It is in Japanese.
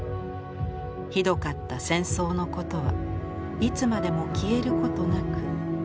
ひどかった戦争のことはいつまでもきえることなくつづいています」。